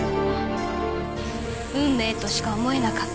運命としか思えなかった。